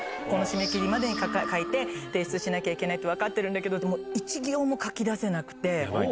この締め切りまでに書いて、提出しなきゃいけないと分かってるんだけど、でも、１行も書き出せなくて。